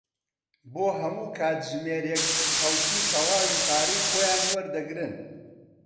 بۆ هەموو کاتژمێرێک خەڵکی تەواوی پارەی خۆیان وەردەگرن.